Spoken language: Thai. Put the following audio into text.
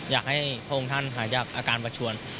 อยากให้พระองค์ท่านหายจากอาการประชวน